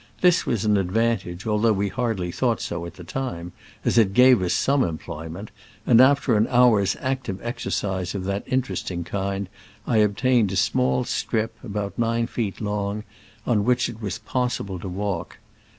This was an advantage, although we hardly thought so at the time, as it gave us some employment, and after an hour's active exercise of that interesting kind 1 obtained a small strip, about nine feet long, on which it was possible to walk.